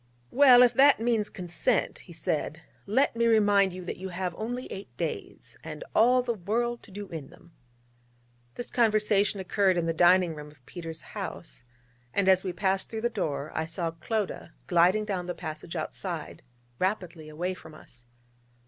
'Well, if that means consent,' he said, 'let me remind you that you have only eight days, and all the world to do in them.' This conversation occurred in the dining room of Peters' house: and as we passed through the door, I saw Clodagh gliding down the passage outside rapidly away from us.